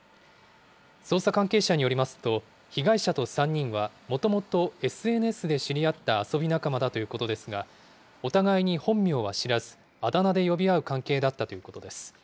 捜査関係者によりますと、被害者と３人はもともとＳＮＳで知り合った遊び仲間だということですが、お互いに本名は知らず、あだ名で呼び合う関係だったということです。